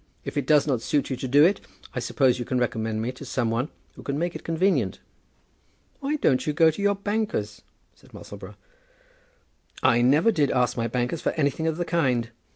If it does not suit you to do it, I suppose you can recommend me to some one who can make it convenient." "Why don't you go to your bankers?" said Musselboro. "I never did ask my bankers for anything of the kind."